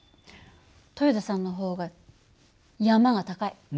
豊田さんの方が山が高い。